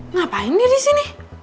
ngapain dia di sini